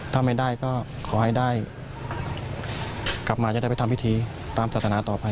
ถ้าไม่ได้ก็ขอให้ได้กลับมาจะได้ไปทำพิธีตามศาสนาต่อไป